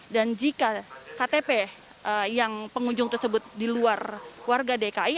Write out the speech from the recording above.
dan jika ktp yang pengunjung tersebut di luar warga dki